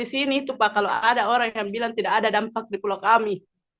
di sini itu pak kalau ada orang yang bilang tidak ada dampak di pulau kami